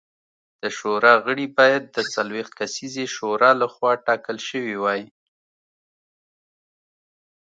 د شورا غړي باید د څلوېښت کسیزې شورا لخوا ټاکل شوي وای